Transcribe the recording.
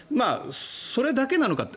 それだけなのかと。